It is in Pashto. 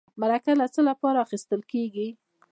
مرکه د څه لپاره اخیستل کیږي؟